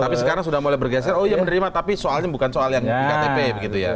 tapi sekarang sudah mulai bergeser oh iya menerima tapi soalnya bukan soal yang iktp begitu ya